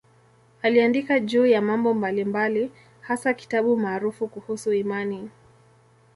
Aliandika juu ya mambo mbalimbali, hasa kitabu maarufu kuhusu imani.